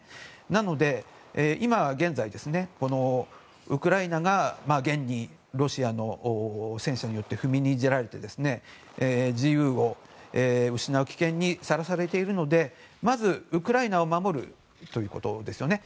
なので今現在、ウクライナが現にロシアの戦車によって踏みにじられて自由を失う危険にさらされているのでまず、ウクライナを守るということですね。